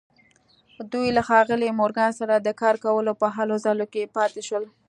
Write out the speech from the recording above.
دوی له ښاغلي مورګان سره د کار کولو په هلو ځلو کې پاتې شول